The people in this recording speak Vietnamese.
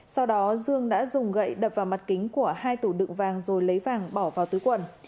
sau đó dương đã dùng gậy đập vào mặt kính của hai tủ đựng vàng rồi lấy vàng bỏ vào túi quần